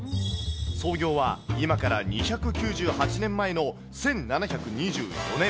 創業は今から２９８年前の１７２４年。